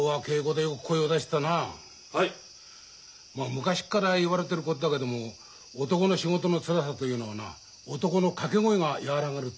昔から言われてることだけども男の仕事のつらさというのはな男の掛け声が和らげるっていうからな。